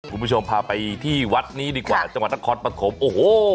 คุณผู้ชมพาไปที่วัดนี้ดีกว่าจังหวัดนครปฐมโอ้โห